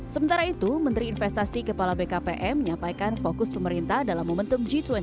sementara itu menteri investasi kepala bkpm menyampaikan fokus pemerintah dalam momentum g dua puluh